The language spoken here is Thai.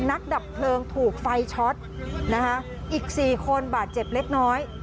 ดับเพลิงถูกไฟช็อตนะคะอีกสี่คนบาดเจ็บเล็กน้อย